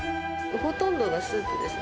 ほとんどのスープですね。